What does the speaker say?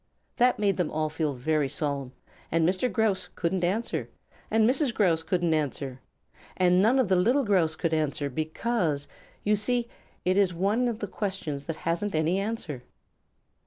That made them all feel very solemn and Mr. Grouse couldn't answer, and Mrs. Grouse couldn't answer, and none of the little Grouse could answer because, you see, it is one of the questions that hasn't any answer.